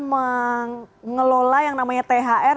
mengelola yang namanya thr